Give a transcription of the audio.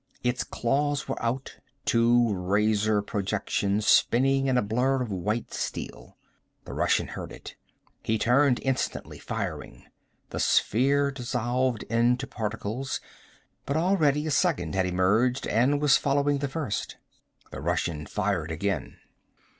Its claws were out, two razor projections spinning in a blur of white steel. The Russian heard it. He turned instantly, firing. The sphere dissolved into particles. But already a second had emerged and was following the first. The Russian fired again.